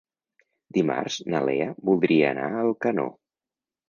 Dimarts na Lea voldria anar a Alcanó.